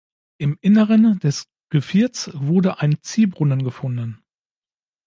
Im Inneren des Gevierts wurde ein Ziehbrunnen gefunden.